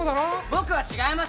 僕は違います！